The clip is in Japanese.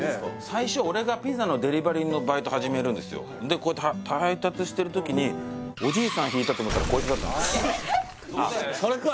最初俺がピザのデリバリーのバイト始めるんですよでこうやって配達してる時におじいさんひいたと思ったらこいつだったんですよ